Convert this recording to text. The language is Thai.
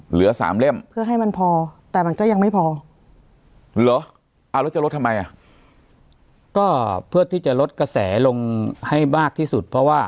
เหลือ๓เล่มเพื่อให้มันพอแต่มันก็ยังไม่พอ